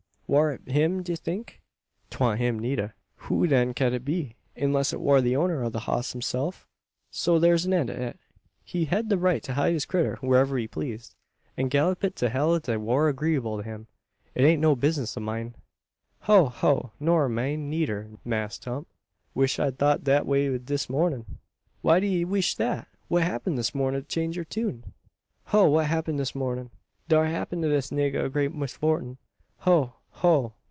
War it him d'ye think?" "'Twan't him needer." "Who then ked it be; unless it war the owner o' the hoss hisself? If so, thur's an end o' it. He hed the right to ride his critter wharever he pleased, an gallop it to hell ef thet war agreeable to him. It ain't no bizness o' myen." "Ho! ho! Nor myen, needer, Mass' Tump. Wish I'd thought dat way dis mornin'." "Why do ye weesh that? What happened this mornin' to change yur tune?" "Ho! what happen dis mornin'? Dar happen to dis nigga a great misfortin'. Ho! ho!